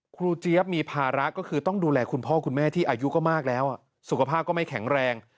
เจี๊ยบมีภาระก็คือต้องดูแลคุณพ่อคุณแม่ที่อายุก็มากแล้วสุขภาพก็ไม่แข็งแรง